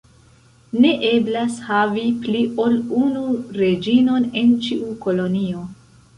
Ne eblas havi pli ol unu reĝinon en ĉiu kolonio.